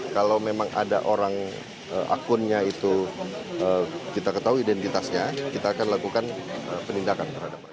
kalau memang ada orang akunnya itu kita ketahui identitasnya kita akan lakukan penindakan